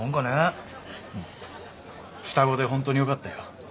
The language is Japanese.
うん双子でホントによかったよ。